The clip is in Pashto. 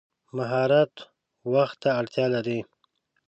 مهارت وخت ته اړتیا لري.